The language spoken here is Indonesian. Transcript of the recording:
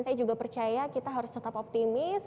saya juga percaya kita harus tetap optimis